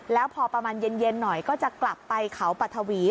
แล้วพอประมาณเย็นหน่อยก็จะกลับไปเขาปัทวี